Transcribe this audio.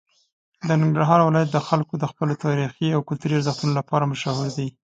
د ننګرهار ولایت خلک د خپلو تاریخي او کلتوري ارزښتونو لپاره مشهور دي.